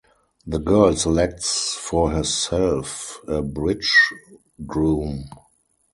The girl selects for herself a bridegroom.